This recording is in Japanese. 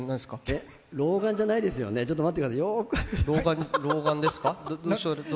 老眼じゃないですよねちょっと待ってください。